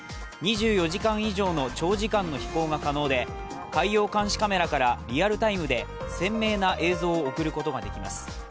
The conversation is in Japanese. ２４時間以上の長時間の飛行が可能で海洋監視カメラからリアルタイムで鮮明な映像を送ることができます。